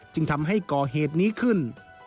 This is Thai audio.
จึงทำให้ก่อเหตุนี้ขึ้น